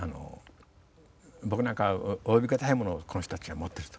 僕なんかは及び難いものをこの人たちは持ってると。